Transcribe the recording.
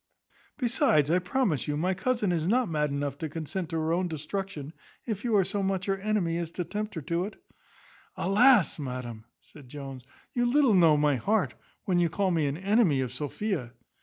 Besides, I promise you, my cousin is not mad enough to consent to her own destruction, if you are so much her enemy as to tempt her to it." "Alas, madam!" said Jones, "you little know my heart, when you call me an enemy of Sophia."